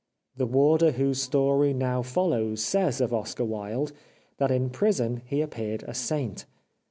The warder whose story now follows says of Oscar Wilde that in prison he appeared a saint.